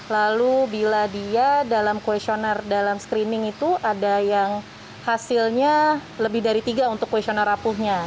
lalu bila dia dalam questionnare dalam screening itu ada yang hasilnya lebih dari tiga untuk questionnai rapuhnya